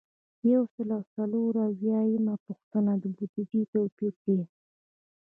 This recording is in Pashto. یو سل او څلور اویایمه پوښتنه د بودیجې توپیر دی.